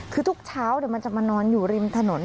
คือทุกเช้ามันจะมานอนอยู่ริมถนน